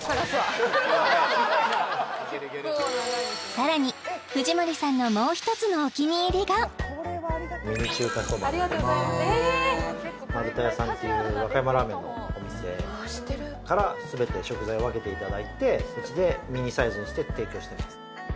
さらに藤森さんのミニ中華そばになります丸田屋さんっていう和歌山ラーメンのお店からすべて食材を分けていただいてうちでミニサイズにして提供してます